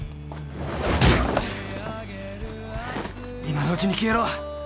今のうちに消えろ！